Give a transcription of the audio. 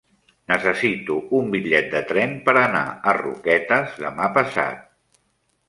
Necessito un bitllet de tren per anar a Roquetes demà passat.